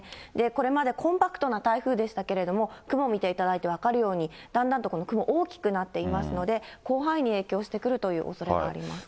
これまでコンパクトな台風でしたけれども、雲見ていただいて分かるように、だんだんとこの雲、大きくなっていますので、広範囲に影響してくるというおそれがあります。